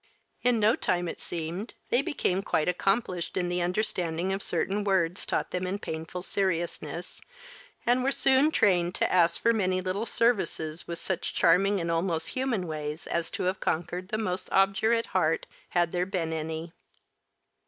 In no time, it seemed, they became quite accomplished in the understanding of certain words taught them in painful seriousness and were soon trained to ask for many little services with such charming and almost human ways as to have conquered the most obdurate heart, had there been any.